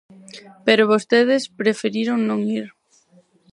Pero vostedes preferiron non ir.